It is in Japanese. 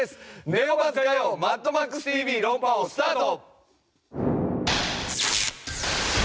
ネオバズ火曜『マッドマックスＴＶ論破王』スタート！